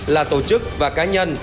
là tổ chức và cá nhân